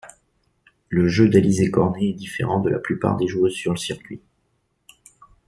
Le jeu d'Alizé Cornet est différent de la plupart des joueuses sur le circuit.